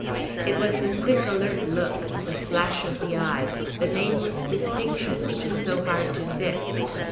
It was the quick alert look, the flash of the eye, the nameless distinction which is so hard to fix.